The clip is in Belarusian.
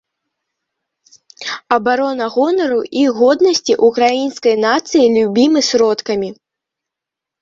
Абарона гонару і годнасці ўкраінскай нацыі любымі сродкамі.